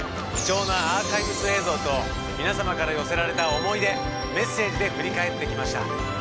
貴重なアーカイブス映像と皆様から寄せられた思い出・メッセージで振り返ってきました。